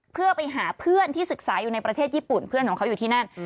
เพื่อไปหาเพื่อนที่ศึกษาอยู่ในประเทศญี่ปุ่นเพื่อนของเขาอยู่ที่นั่น